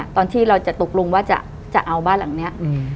ตอนที่เราจะตกลงว่าจะเอาบ้านหลังนี้